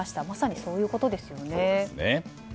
まさにそういうことですよね。